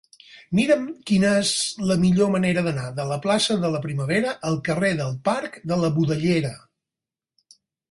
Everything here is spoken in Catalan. Mira'm quina és la millor manera d'anar de la plaça de la Primavera al carrer del Parc de la Budellera.